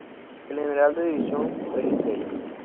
El general de división tres estrellas.